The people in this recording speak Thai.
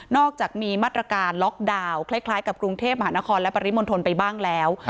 อกจากมีมาตรการล็อกดาวน์คล้ายกับกรุงเทพมหานครและปริมณฑลไปบ้างแล้ว